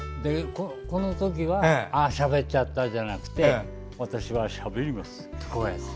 このときは、ああしゃべっちゃったじゃなくて私はしゃべりますってやってた。